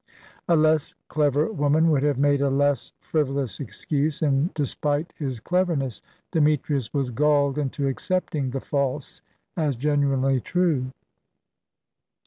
A less clever woman would have made a less frivolous excuse, and, despite his cleverness, Demetrius was gulled into accepting the false as genuinely true.